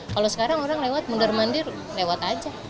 kalau sekarang orang lewat mundur mandir lewat aja